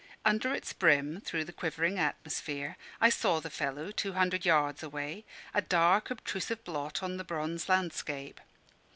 Under its brim through the quivering atmosphere, I saw the fellow, two hundred yards away, a dark obtrusive blot on the bronze landscape.